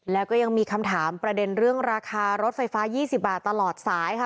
แล้วก็ยังมีคำถามประเด็นเรื่องราคารถไฟฟ้า๒๐บาทตลอดสายค่ะ